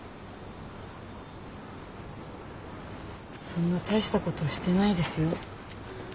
そんな大したことしてないですよ。